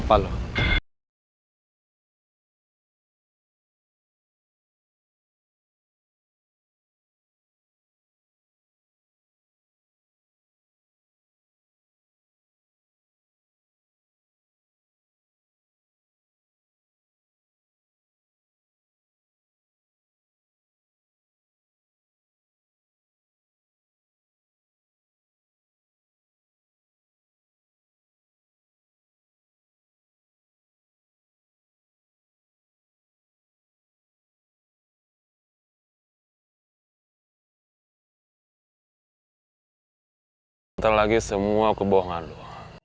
nanti lagi semua kebohongan lo